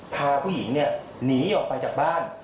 พาผู้หญิงหนีออกไปจากบ้าน